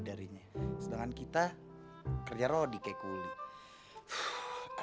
karin kamu tuh cantik cantik tapi pelupa